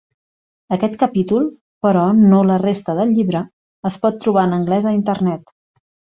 Aquest capítol, però no la resta del llibre, es pot trobar en anglès a internet.